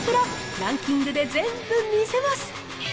ランキングで全部見せます。